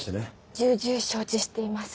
重々承知しています。